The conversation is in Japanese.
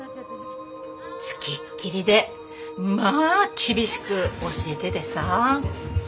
付きっきりでまあ厳しく教えててさ。